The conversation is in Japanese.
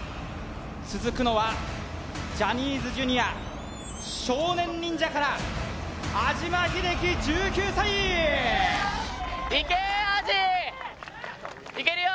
続くのはジャニーズＪｒ．少年忍者からいけっアジいけるよ！